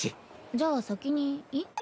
じゃあ先にいい？